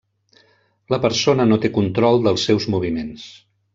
La persona no té control dels seus moviments.